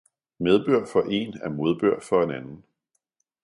Medbør for Een er Modbør for en Anden.